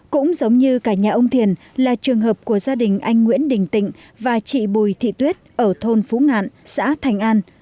cũng giống như cả nhà ông thiền là trường hợp của gia đình anh nguyễn đình tịnh và chị bùi thị tuyết ở thôn phú ngạn xã thành an